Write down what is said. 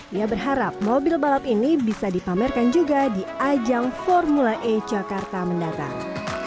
dia berharap mobil balap ini bisa dipamerkan juga di ajang formula e jakarta mendatang